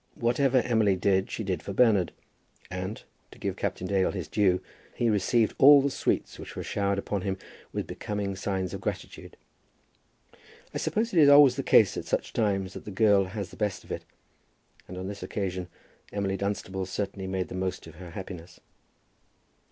Whatever Emily did she did for Bernard; and, to give Captain Dale his due, he received all the sweets which were showered upon him with becoming signs of gratitude. I suppose it is always the case at such times that the girl has the best of it, and on this occasion Emily Dunstable certainly made the most of her happiness.